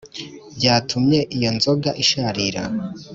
Byatumye iyo nzoga isharira